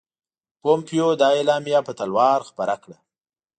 پومپیو دا اعلامیه په تلوار خپره کړه.